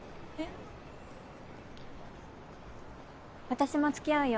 私もつきあうよ